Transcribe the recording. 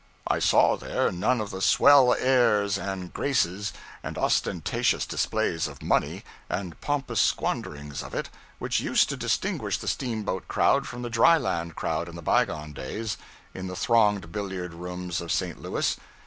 I saw there none of the swell airs and graces, and ostentatious displays of money, and pompous squanderings of it, which used to distinguish the steamboat crowd from the dry land crowd in the bygone days, in the thronged billiard rooms of St. Louis.